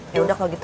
yaudah kalau gitu